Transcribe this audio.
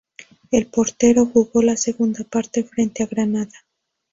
El portero jugó la segunda parte frente a Granada.